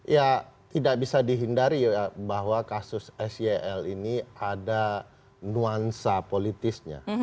ya tidak bisa dihindari bahwa kasus sel ini ada nuansa politisnya